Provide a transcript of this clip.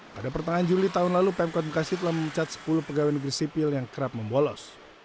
pada pertengahan juli tahun lalu pemkot bekasi telah mencat sepuluh pegawai negeri sipil yang kerap membolos